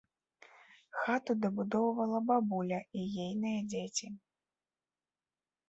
Хату дабудоўвала бабуля і ейныя дзеці.